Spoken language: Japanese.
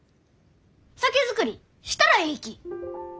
酒造りしたらえいき！